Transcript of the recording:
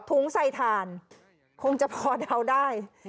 ใส่ถ่านคงจะพอเดาได้